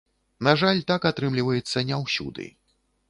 На жаль, так атрымліваецца не ўсюды.